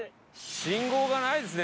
信号がないですね